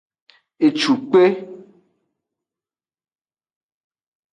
Ecukpe.